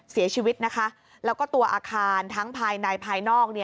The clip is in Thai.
เสียชีวิตนะคะแล้วก็ตัวอาคารทั้งภายในภายนอก